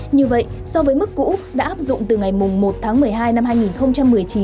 như vậy so với mức cũ đã áp dụng từ ngày một tháng một mươi hai năm hai nghìn một mươi chín